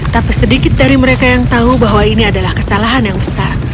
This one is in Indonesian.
tapi sedikit dari mereka yang tahu bahwa ini adalah kesalahan yang besar